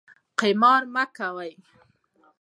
قمار مه کوئ